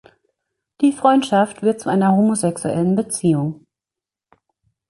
Die Freundschaft wird zu einer homosexuellen Beziehung.